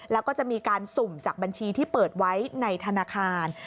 แล้วก็จะมีการสุ่มจากบัญชีที่เปิดไว้ในธนาคาร